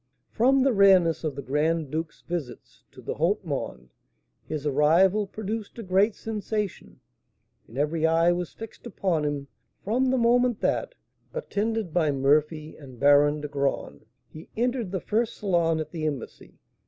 From the rareness of the Grand Duke's visits to the haut monde, his arrival produced a great sensation, and every eye was fixed upon him from the moment that, attended by Murphy and Baron de Graün, he entered the first salon at the embassy.